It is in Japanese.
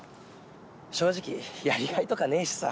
正直やりがいとかねえしさ。